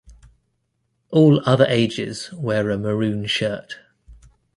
All other ages wear a maroon shirt.